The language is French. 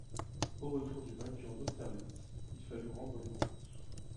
Au retour du vainqueur d'Austerlitz, il fallut rendre des comptes.